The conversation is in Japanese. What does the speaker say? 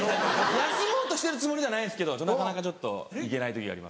休もうとしてるつもりではないんですけどなかなかちょっと行けない時がありまして。